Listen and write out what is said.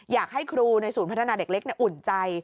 อยากให้ครูในศูนย์พัฒนาเด็กเล็กอุ่นใจ